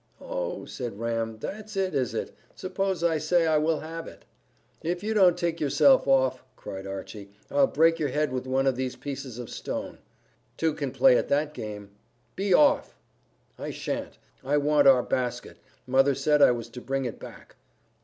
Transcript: "Oh," said Ram, "that's it, is it? Suppose I say I will have it?" "If you don't take yourself off," cried Archy, "I'll break your head with one of these pieces of stone." "Two can play at that game." "Be off." "I shan't. I want our basket. Mother said I was to bring it back."